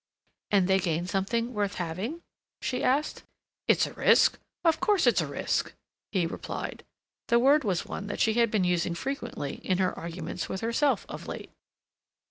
"And they gain something worth having?" she asked. "It's a risk—of course it's a risk," he replied. The word was one that she had been using frequently in her arguments with herself of late.